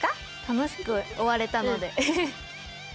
楽しく終われたので。